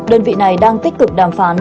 đơn vị này đang tích cực đàm phán